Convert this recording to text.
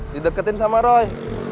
dideketin sama roy